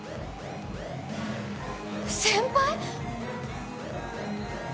先輩！？